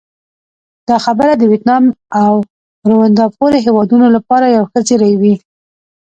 دا خبره د ویتنام او روندا پورې هېوادونو لپاره یو ښه زېری وي.